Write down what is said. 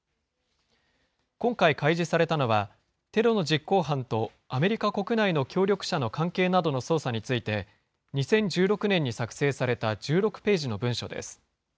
今回開示されたのはテロの実行犯とアメリカ国内の協力者の関係などの捜査について、２０１６年に作成された１６ページの文書です。